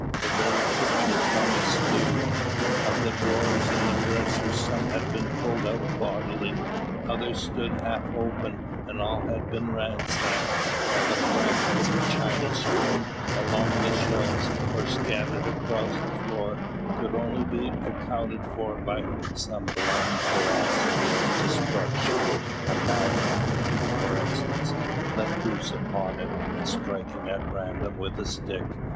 The very pictures hung askew. Of the drawers in the dresser some had been pulled out bodily, others stood half open, and all had been ransacked; while the fragments of china strewn along the shelves or scattered across the floor could only be accounted for by some blind ferocity of destruction a madman, for instance, let loose upon it, and striking at random with a stick.